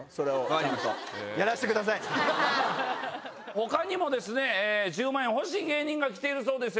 他にも１０万円欲しい芸人が来てるそうです。